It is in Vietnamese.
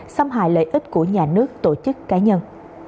xâm hại lợi ích của nhà nước tổ chức cá nhân